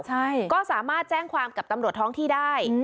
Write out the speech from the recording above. ใช่ก็สามารถแจ้งความกับตำรวจท้องที่ได้